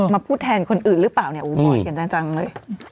พูดแทนคนอื่นหรือเปล่าเนี่ยบ่อยกันจังเลย